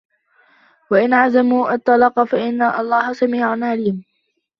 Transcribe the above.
وإن عزموا الطلاق فإن الله سميع عليم